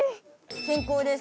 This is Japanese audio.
健康です。